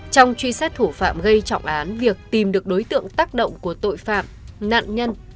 trong truy xét thủ phạm gây trọng án việc tìm được đối tượng tác động của tội phạm nạn nhân